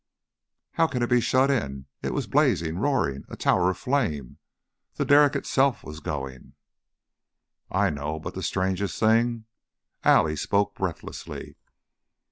'" "How can it be shut in? It was blazing, roaring a tower of flame. The derrick itself was going " "I know, but the strangest thing " Allie spoke breathlessly.